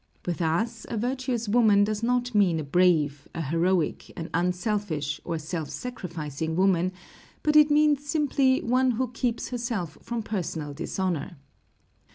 With us, a virtuous woman does not mean a brave, a heroic, an unselfish, or self sacrificing woman, but means simply one who keeps herself from personal dishonor.